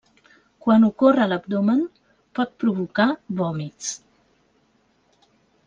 Quan ocorre a l'abdomen, pot provocar vòmits.